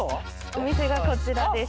お店がこちらです。